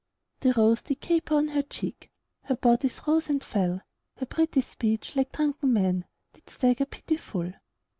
The rose did caper on her cheek, Her bodice rose and fell, Her pretty speech, like drunken men, Did stagger pitiful.